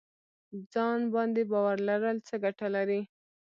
ځان باندې باور لرل څه ګټه لري؟